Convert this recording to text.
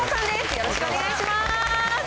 よろしくお願いします。